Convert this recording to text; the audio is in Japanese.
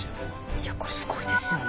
いやこれすごいですよね。